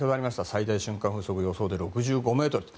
最大瞬間風速、予想で６５メートルと。